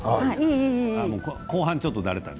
後半、ちょっと慣れたね。